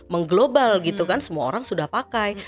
mengglobal gitu kan semua orang sudah pakai